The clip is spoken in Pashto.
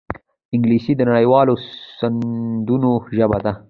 انګلیسي د نړيوالو سندونو ژبه ده